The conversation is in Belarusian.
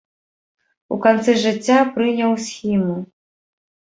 У канцы жыцця прыняў схіму.